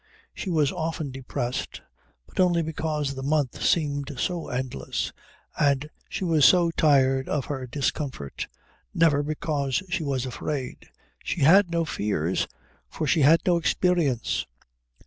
She was often depressed, but only because the month seemed so endless and she was so tired of her discomfort never because she was afraid. She had no fears, for she had no experience.